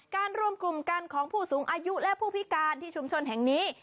รวมกลุ่มกันของผู้สูงอายุและผู้พิการที่ชุมชนแห่งนี้